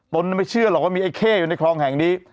นไม่เชื่อหรอกว่ามีไอ้เข้อยู่ในคลองแห่งนี้